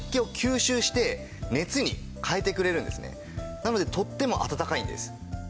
なのでとっても暖かいんです。